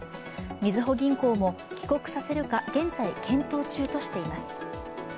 みずほ銀行も帰国させるか、現在、検討中としています。